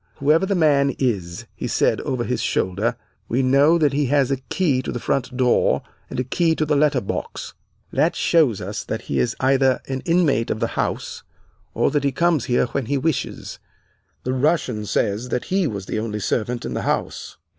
"'Whoever the man is,' he said over his shoulder, 'we know that he has a key to the front door and a key to the letter box. That shows us he is either an inmate of the house or that he comes here when he wishes. The Russian says that he was the only servant in the house.